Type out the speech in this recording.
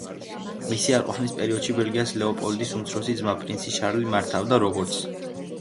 მისი არ ყოფნის პერიოდში ბელგიას ლეოპოლდის უმცროსი ძმა, პრინცი შარლი მართავდა, როგორც რეგენტი.